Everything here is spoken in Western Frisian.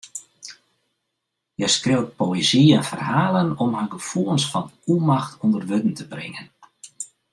Hja skriuwt poëzy en ferhalen om har gefoelens fan ûnmacht ûnder wurden te bringen.